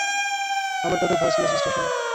আমার দাদুর ভয়েস মেসেজটা শোনো!